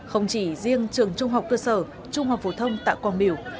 không chỉ riêng trường trung học cơ sở trung học phổ thông tạ quang biểu